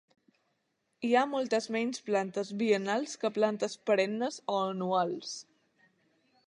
Hi ha moltes menys plantes biennals que plantes perennes o anuals.